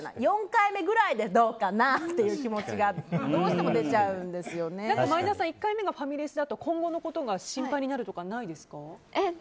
４回目くらいでどうかな？っていう気持ちが前田さん、１回目がファミレスだと今後のことが心配になるとかはないですか？